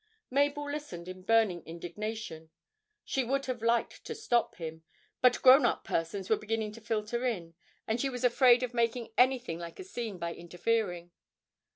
Mabel listened in burning indignation; she would have liked to stop him, but grown up persons were beginning to filter in, and she was afraid of making anything like a scene by interfering.